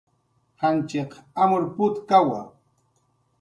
Janchiq amur putkawa